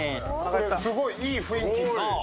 すごいいい雰囲気。